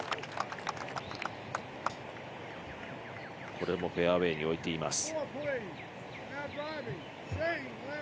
これもフェアウエーに置いています。